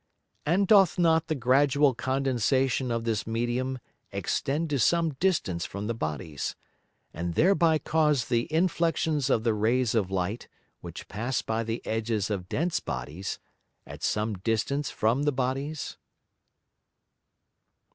And doth not the gradual condensation of this Medium extend to some distance from the Bodies, and thereby cause the Inflexions of the Rays of Light, which pass by the edges of dense Bodies, at some distance from the Bodies?